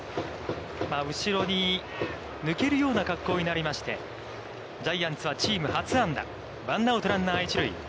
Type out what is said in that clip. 後ろに抜けるような格好になりまして、ジャイアンツはチーム初安打、ワンアウト、ランナー一塁。